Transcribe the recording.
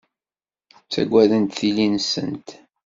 Ttaggadent tili-nsent.